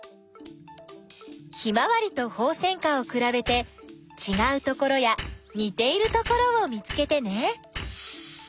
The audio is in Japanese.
ヒマワリとホウセンカをくらべてちがうところやにているところを見つけてね。